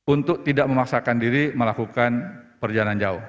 untuk tidak memaksakan diri melakukan perjalanan jauh